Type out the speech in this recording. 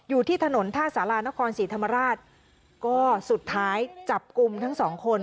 อยู่ที่ถนนท่าสารานครศรีธรรมราชก็สุดท้ายจับกลุ่มทั้งสองคน